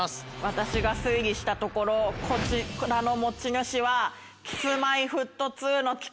私が推理したところこちらの持ち主は。